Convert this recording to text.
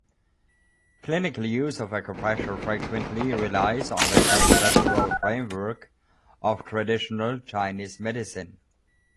Clinical use of acupressure frequently relies on the conceptual framework of traditional Chinese medicine.